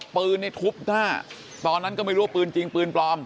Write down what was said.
ปืนนี่ทุบหน้าตอนนั้นก็ไม่รู้ว่าปืนจริงปืนปลอม